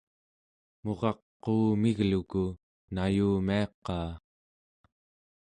murak quumigluku nayumiaqaa